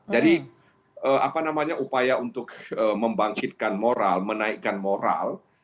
jadi apa namanya upaya untuk membangkitkan moral menaikkan moral